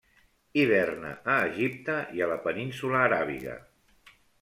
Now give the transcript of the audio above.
Hiverna a Egipte i a la Península Aràbiga.